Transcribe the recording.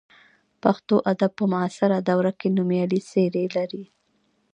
پښتو ادب په معاصره دوره کې نومیالۍ څېرې لري.